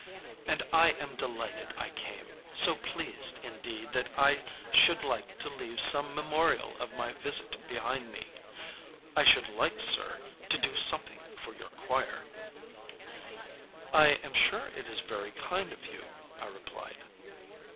And I am delighted I came; so pleased, indeed, that I should like to leave some memorial of my visit behind me. I should like, sir, to do something for your choir." "I am sure it is very kind of you," I replied.